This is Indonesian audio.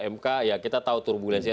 mk ya kita tahu turbulensinya